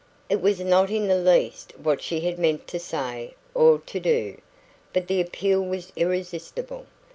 It was not in the least what she had meant to say or to do; but the appeal was irresistible.